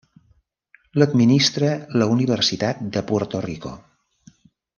L'administra la Universitat de Puerto Rico.